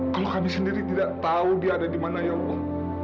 kalau kami sendiri tidak tahu dia ada di mana ya allah